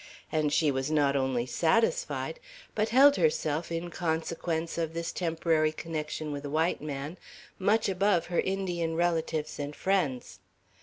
And she was not only satisfied, but held herself, in consequence of this temporary connection with a white man, much above her Indian relatives and friends.